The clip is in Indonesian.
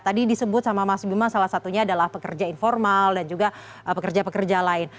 tadi disebut sama mas bima salah satunya adalah pekerja informal dan juga pekerja pekerja lain